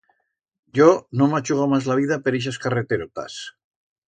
Yo no m'achugo mas la vida per ixas carreterotas.